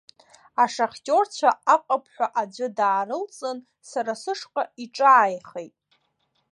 Ашахтиорцәа аҟыԥҳәа аӡәы даарылҵын сара сышҟа иҿааихеит.